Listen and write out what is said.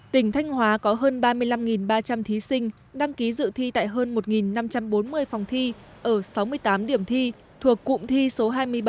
tỉnh thanh hóa có hơn ba mươi năm ba trăm linh thí sinh đăng ký dự thi tại hơn một năm trăm bốn mươi phòng thi ở sáu mươi tám điểm thi thuộc cụm thi số hai mươi bảy